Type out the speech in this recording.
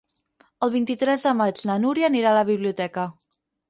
El vint-i-tres de maig na Núria anirà a la biblioteca.